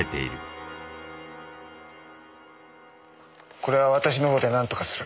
これは私の方でなんとかする。